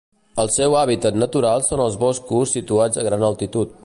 El seu hàbitat natural són els boscos situats a gran altitud.